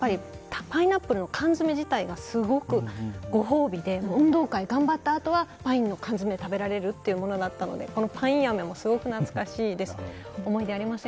パイナップルの缶詰自体がすごくご褒美で運動会、頑張った後はパインの缶詰食べれるというのがあったのでパインアメ、すごく懐かしいです。